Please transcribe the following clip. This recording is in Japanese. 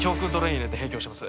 入れて閉胸します